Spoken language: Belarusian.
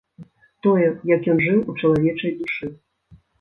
Тое, як ён жыў у чалавечай душы.